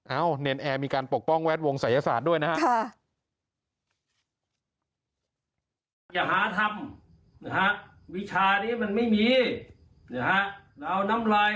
เนรนแอร์มีการปกป้องแวดวงศัยศาสตร์ด้วยนะครับ